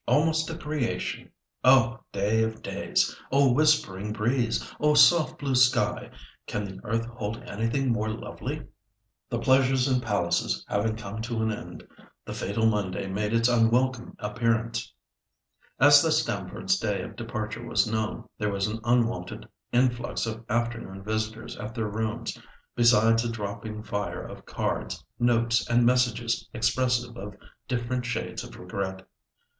Almost a creation. Oh, day of days! Oh, whispering breeze! Oh, soft blue sky! Can the earth hold anything more lovely?" The "pleasures and palaces" having come to an end, the fatal Monday made its unwelcome appearance. As the Stamfords' day of departure was known, there was an unwonted influx of afternoon visitors at their rooms, besides a dropping fire of cards, notes, and messages, expressive of different shades of regret.